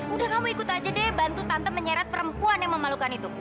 udah kamu ikut aja deh bantu tante menyeret perempuan yang memalukan itu